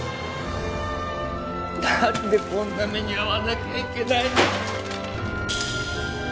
何でこんな目に遭わなきゃいけないのよ